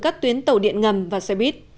các tuyến tàu điện ngầm và xe buýt